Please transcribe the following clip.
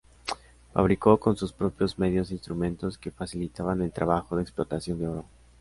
Fabricó con sus propios medios instrumentos que facilitaban el trabajo de explotación de oro.